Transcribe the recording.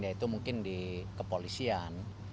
yaitu mungkin di kepolisian